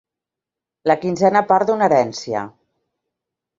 La quinzena part d'una herència.